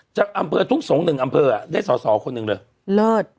อำเภอทุ่งสงศ์๑อำเภอได้สอสอคนหนึ่งเลย